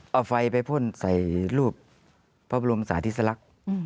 เอาไฟไปพ่นใส่รูปพระบรมศาสตร์ที่สลัก